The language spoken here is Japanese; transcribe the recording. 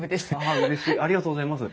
ありがとうございます。